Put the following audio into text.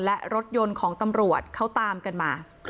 และรถยนต์ของตำรวจเขาตามกันมา